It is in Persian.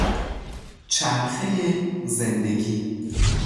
چرخهی زندگی